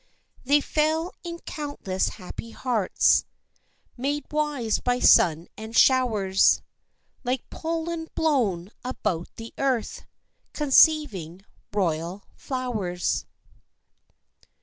They fell in countless happy hearts, Made wise by sun and showers, Like pollen blown about the earth, Conceiving royal flowers.